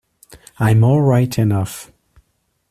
I'm all right enough.